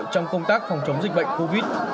trong công tác phòng chống dịch bệnh covid